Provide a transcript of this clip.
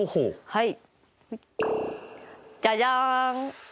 はい。